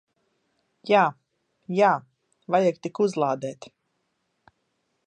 Jā. Jā. Vajag tik uzlādēt.